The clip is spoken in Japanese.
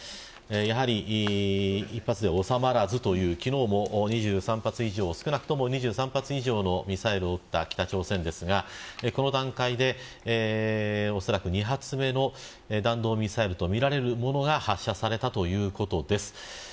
やはり、一発では収まらずという昨日も２３発以上少なくとも撃っている北朝鮮ですがこの段階で、おそらく２発目の弾道ミサイルとみられるものが発射されたということです。